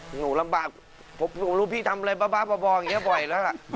หนูลำบากหวบว่าพี่ทำอะไรบ๊ปบ่อยแบบนี้บ่อยแล้ว